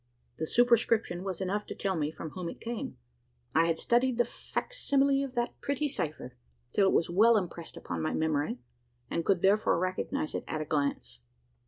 The superscription was enough to tell me from whom it came. I had studied the fac simile of that pretty cipher, till it was well impressed upon my memory; and could therefore recognise it at a glance.